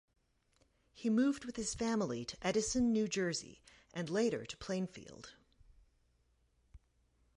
He moved with his family to Edison, New Jersey and later to Plainfield.